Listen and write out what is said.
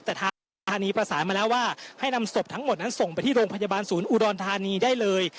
แต่ทางสถานีประสานมาแล้วว่าให้นำศพทั้งหมดนั้นส่งไปที่โรงพยาบาลศูนย์อุดรธานีได้เลย